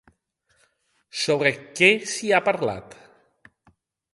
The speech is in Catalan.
Sobre què s'hi ha parlat?